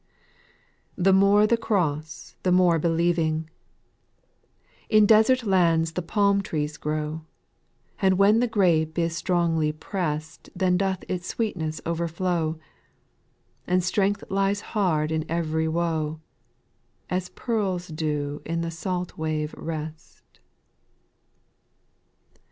1 The more the cross, the more believing ;— In desert lands the palm trees grow ; And when the grape is strongly press'd, Then doth its sweetness overflow ; And strength lies hid in every woe, As pearls do in the salt wave rest 4.